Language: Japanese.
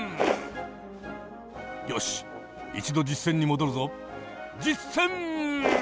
よし一度実線に戻るぞ実線！